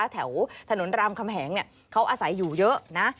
แถวถนนรามคำแหงเขาอาศัยอยู่เยอะนะ